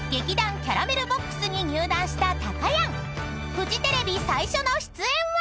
［フジテレビ最初の出演は］